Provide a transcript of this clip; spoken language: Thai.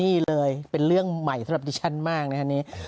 นี่เลยเป็นเรื่องใหม่สำหรับดิบเฝียว